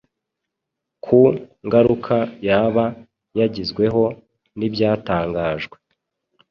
ku ngaruka yaba yagizweho n’ibyatangajwe